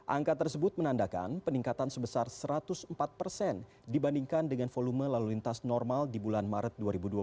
angka tersebut menandakan peningkatan sebesar satu ratus empat persen dibandingkan dengan volume lalu lintas normal di bulan maret dua ribu dua puluh